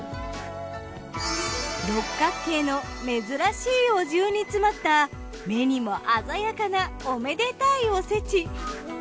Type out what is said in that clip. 六角形の珍しいお重に詰まった目にも鮮やかなおめでたいおせち。